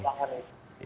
apakah itu masalahnya